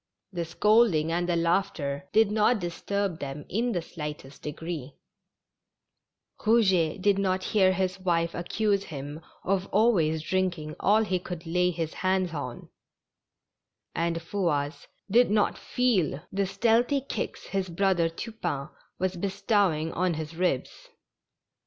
The scold ing and the laughter did not disturb them in the slight est degree ; Eouget did not hear his wife accuse him of always drinking all he could lay his hands on, and Fouasse did not feel the stealthy kicks his brother Tu pain was bestowing on his ribs.